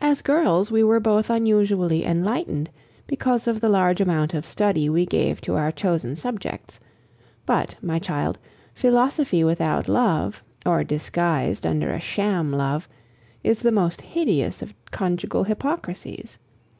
As girls, we were both unusually enlightened, because of the large amount of study we gave to our chosen subjects; but, my child, philosophy without love, or disguised under a sham love, is the most hideous of conjugal hypocrisies.